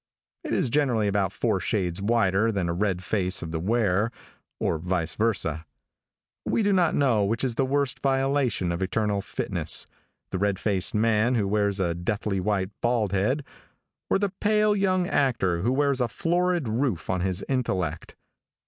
It is generally about four shades whiter than the red face of the wearer, or vice versa. We do not know which is the worst violation of eternal fitness, the red faced man who wears a deathly white bald head, or the pale young actor who wears a florid roof on his intellect.